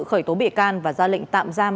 khởi tố bị can và ra lệnh tạm giam